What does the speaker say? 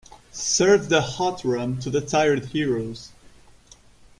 Serve the hot rum to the tired heroes.